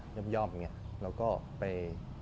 ย่อมอย่างเงี้ยแล้วก็ไป